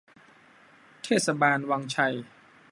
เทศบาลวังชัย